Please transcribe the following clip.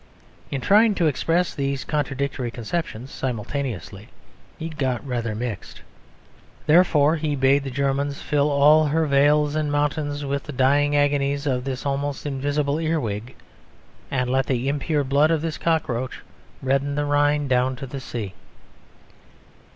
In trying to express these contradictory conceptions simultaneously, he got rather mixed. Therefore he bade Germania fill all her vales and mountains with the dying agonies of this almost invisible earwig; and let the impure blood of this cockroach redden the Rhine down to the sea.